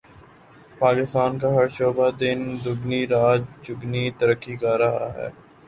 پاکستان کا ہر شعبہ دن دگنی رات چگنی ترقی کر رہا ہے